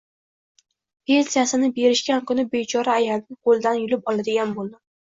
Pensiyasini berishgan kuni bechora ayamning qo`lidan yulib oladigan bo`ldim